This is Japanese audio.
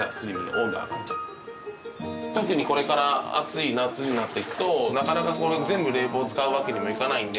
特にこれから暑い夏になっていくとなかなか全部冷房使うわけにもいかないんで。